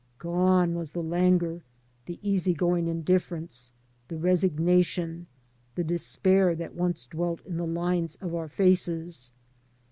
Gone was the languor, the easy going indifference, the resignation, the despair that once dwelt in the lines of our faces.